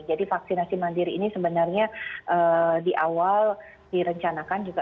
jadi vaksinasi mandiri ini sebenarnya di awal direncanakan juga